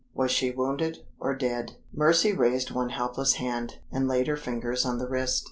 Was she wounded? or dead? Mercy raised one helpless hand, and laid her fingers on the wrist.